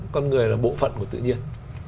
con người là bộ phận của tự nhiên